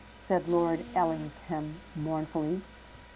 said Lord Ellingham mournfully.